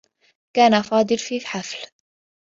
كان فاضل في حفل.